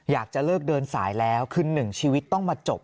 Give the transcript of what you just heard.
อยากจะเลิกเดินสายแล้วคือหนึ่งชีวิตต้องมาจบ